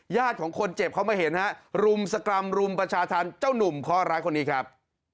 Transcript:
ของคนเจ็บเขามาเห็นฮะรุมสกรรมรุมประชาธรรมเจ้าหนุ่มข้อร้ายคนนี้ครับ